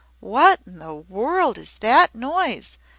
"What in the world is that noise?"